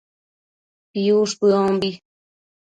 piush bëombi